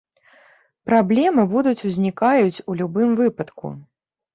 Праблемы будуць узнікаюць у любым выпадку.